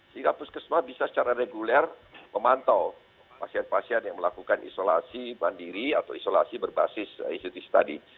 sehingga puskesma bisa secara reguler memantau pasien pasien yang melakukan isolasi mandiri atau isolasi berbasis ict tadi